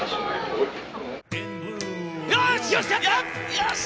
「よし！